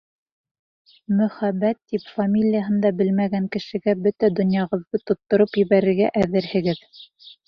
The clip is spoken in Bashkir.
Мөхәббәт, тип фамилияһын да белмәгән кешегә бөтә донъяғыҙҙы тоттороп ебәрергә әҙерһегеҙ.